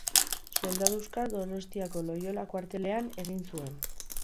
Soldaduska Donostiako Loiola kuartelean egin zuen.